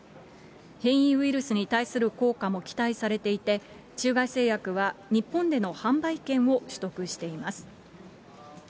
変異ウイルスに対する効果も期待されていて、中外製薬は日本での販売権を取得しています。